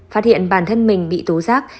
phát hiện bản thân mình bị tố giác